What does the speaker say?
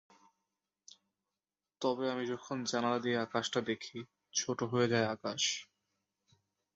তবে আমি যখন জানালা দিয়ে আকাশটা দেখি, ছোট হয়ে যায় আকাশ।